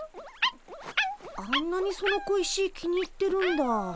あんなにその小石気に入ってるんだ。